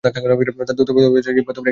তবে তার জিহবা তার এখতিয়ারে ছিল না।